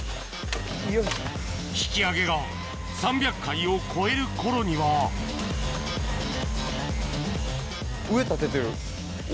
引き上げが３００回を超える頃には上立ててる。